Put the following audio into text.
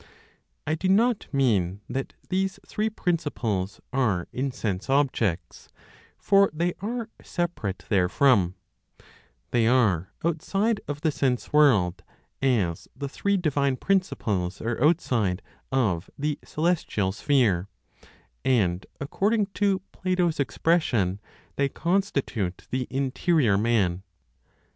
I do not mean that these three principles are in sense objects, for they are separate therefrom; they are outside of the sense world, as the three divine principles are outside of the celestial sphere, and, according to Plato's expression, they constitute the "the interior man."